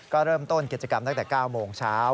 ก็เริ่มต้นกิจกรรมตั้งแต่๙โมงเช้า